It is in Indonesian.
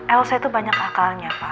elsa itu banyak akalnya pak